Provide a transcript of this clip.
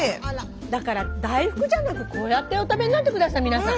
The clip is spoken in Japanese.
だから大福じゃなくこうやってお食べになって下さい皆さん。